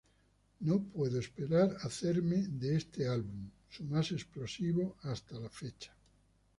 No puedo esperar hacer de este álbum su más explosivo a la fecha"".